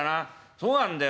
そうなんだよ